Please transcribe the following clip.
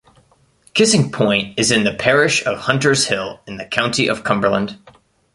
Kissing Point is in the Parish of Hunters Hill in the County of Cumberland.